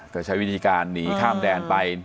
ก็ใช้วิธีการหนีข้ามแดนไป